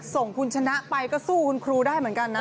ส่งคุณชนะไปก็สู้คุณครูได้เหมือนกันนะ